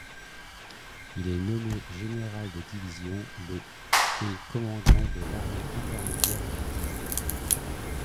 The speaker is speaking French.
Il est nommé général de division le et commandant de l’armée intermédiaire à Guise.